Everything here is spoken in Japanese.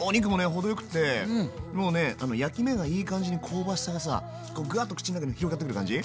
程よくってもうね焼き目がいい感じに香ばしさがさグワーッと口の中に広がってくる感じ。